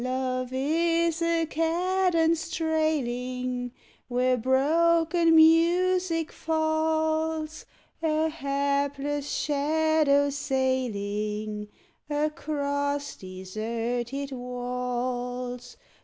Love is a cadence trailing Where broken music falls, A hapless shadow sailing Across deserted walls.